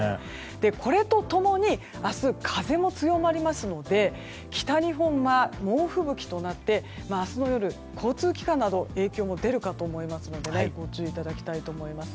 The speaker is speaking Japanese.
これと共に明日、風も強まりますので北日本は猛吹雪となって明日の夜、交通機関など影響も出るかと思いますのでご注意いただきたいと思います。